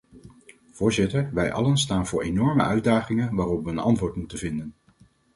Voorzitter, wij allen staan voor enorme uitdagingen waarop we een antwoord moeten vinden.